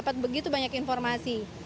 mendapat begitu banyak informasi